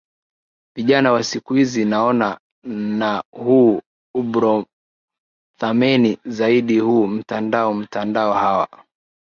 vijana wa siku hizi naona na huu ubrothermeni zaidi huu mtandao mtandao hawa